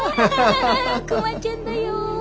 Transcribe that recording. クマちゃんだよ。